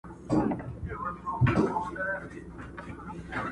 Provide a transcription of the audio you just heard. یو په یو به را نړیږي معبدونه د بُتانو!!